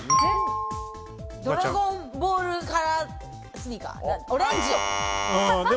ドラゴンボールカラースニーカー。